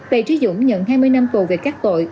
về trí dũng nhận hai mươi năm tù về các tội